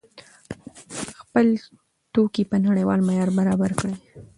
خپل توکي په نړیوال معیار برابر کړئ.